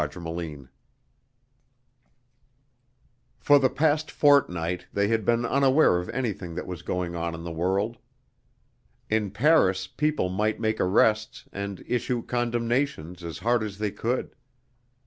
FOR the past fortnight they had been unaware of anything that was going on in the world. In Paris people might make arrests and issue condemnations as hard as they could.